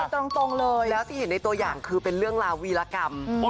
ตรงเลยแล้วที่เห็นในตัวอย่างคือเป็นเรื่องราววีรกรรม